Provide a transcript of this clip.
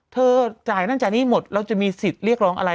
จ่ายนั่นจ่ายหนี้หมดแล้วจะมีสิทธิ์เรียกร้องอะไร